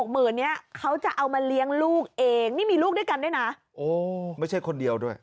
ไม่ใช่คนเดียวด้วย